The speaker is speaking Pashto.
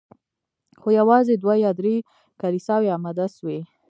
خو یوازي دوه یا درې کلیساوي اماده سوې